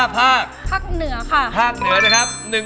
ภาคเหนือก่อน